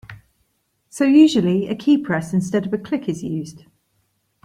So usually a keypress instead of a click is used.